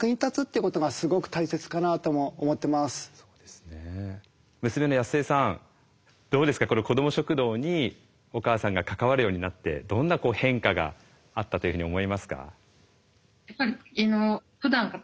この子ども食堂にお母さんが関わるようになってどんな変化があったというふうに思いますか？